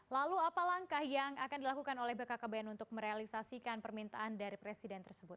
lalu apa langkah yang akan dilakukan oleh bkkbn untuk merealisasikan permintaan dari presiden tersebut